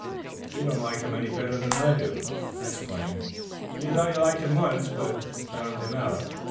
"You don't like him any better than I do, that's plain. You thought you liked him once, but you've found him out.